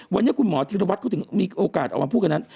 วันนี้คุณหมอธิรวัตรเขาถึงมีโอกาสออกมาพูดกันนั้น